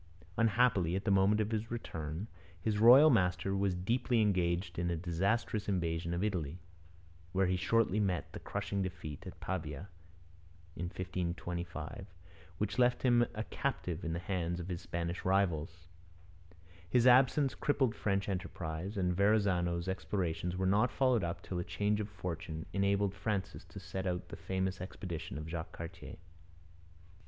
Unhappily, at the moment of his return, his royal master was deeply engaged in a disastrous invasion of Italy, where he shortly met the crushing defeat at Pavia (1525) which left him a captive in the hands of his Spanish rival. His absence crippled French enterprise, and Verrazano's explorations were not followed up till a change of fortune enabled Francis to send out the famous expedition of Jacques Cartier.